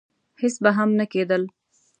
هېڅ به هم نه کېدل.